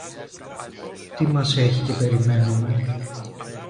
Τι μας έχει και περιμένομε;